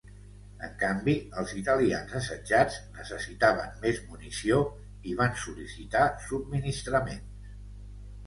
En canvi, els italians assetjats necessitaven més munició i van sol·licitar subministraments.